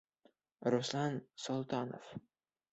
Руслан СОЛТАНОВ: